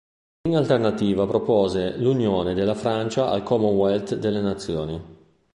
In alternativa propose l'unione della Francia al Commonwealth delle nazioni.